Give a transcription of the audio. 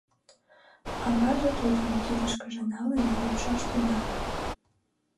Аваже тудым, кидышкыже налын, рӱпшаш тӱҥале.